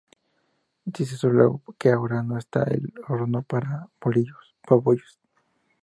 Díselo luego que ahora no está el horno para bollos